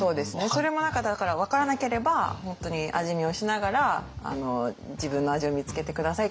それも何かだから分からなければ本当に「味見をしながら自分の味を見つけてください」って